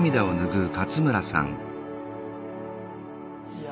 いや。